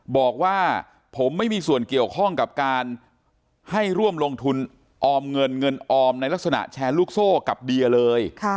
บอกว่าผมไม่มีส่วนเกี่ยวข้องกับการให้ร่วมลงทุนออมเงินเงินออมในลักษณะแชร์ลูกโซ่กับเดียเลย